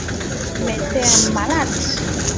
Mais t’es un malade!